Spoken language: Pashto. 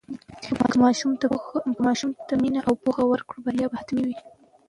که ماشوم ته مینه او پوهه ورکړو، بریا به حتمي وي.